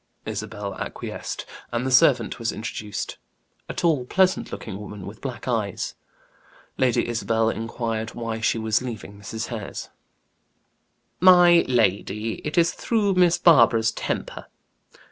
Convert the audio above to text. Isabel acquiesced, and the servant was introduced; a tall, pleasant looking woman, with black eyes. Lady Isabel inquired why she was leaving Mrs. Hare's. "My lady, it is through Miss Barbara's temper.